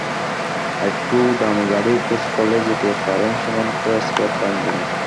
একটু দামি ঘড়ির খোঁজ করলে যেতে পারেন সীমান্ত স্কয়ার টাইম জোনে।